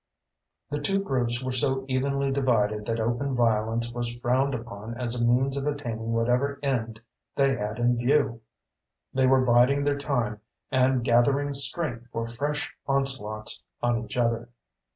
The two groups were so evenly divided that open violence was frowned upon as a means of attaining whatever end they had in view. They were biding their time and gathering strength for fresh onslaughts on each other.